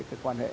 cái quan hệ